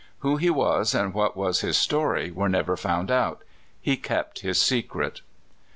Who he was, and what was his story, were never found out. He kept his secret.